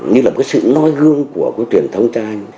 như là một cái sự noi gương của cái truyền thống trai